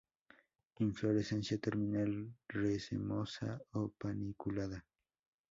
Inflorescencia terminal, racemosa o paniculada.